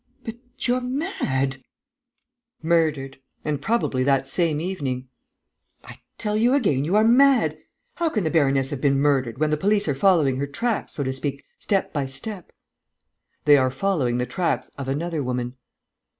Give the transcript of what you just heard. But you're mad!" "Murdered ... and probably that same evening." "I tell you again, you are mad! How can the baroness have been murdered, when the police are following her tracks, so to speak, step by step?" "They are following the tracks of another woman."